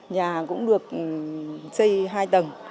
nhà cũng được xây hai tầng khang trang